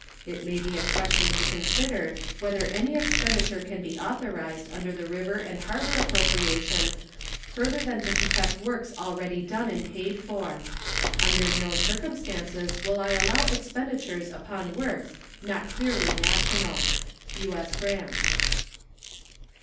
It may be a question to consider whether any expenditure can be authorized under the river and harbor appropriation further than to protect works already done and paid for. Under no circumstances will I allow expenditures upon works not clearly national. U.S. GRANT.